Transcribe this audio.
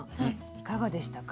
いかがでしたか？